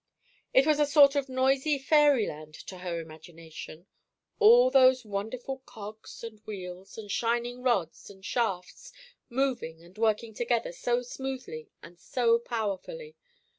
It was a sort of noisy fairy land to her imagination; all those wonderful cogs and wheels, and shining rods and shafts, moving and working together so smoothly and so powerfully.